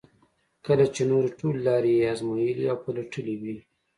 کله چې نورې ټولې لارې یې ازمایلې او پلټلې وي.